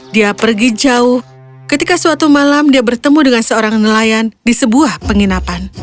dia pergi jauh ketika suatu malam dia bertemu dengan seorang nelayan di sebuah penginapan